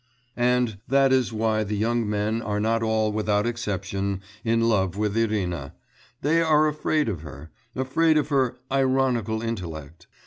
And that is why the young men are not all without exception in love with Irina.... They are afraid of her ... afraid of her 'ironical intellect.